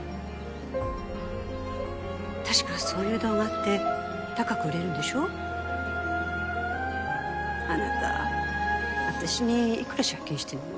確かそういう動画って高く売れるんであなた私にいくら借金してんの？